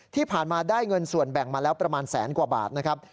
ที่ผ่านมาได้เงินส่วนแบ่งมาแล้วประมาณแสนกว่าบาทนะครับ